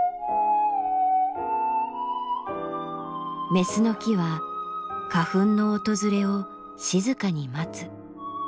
雌の木は花粉の訪れを静かに待つ。